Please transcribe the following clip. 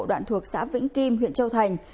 đoạn thuộc xã vĩnh kim huyện châu thành